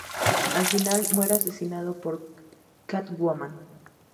Al final muere asesinado por Catwoman.